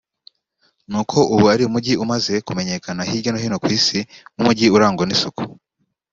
ni uko ubu ari umujyi umaze kumenyekana hirya no hino ku Isi nk’umujyi urangwa n’isuku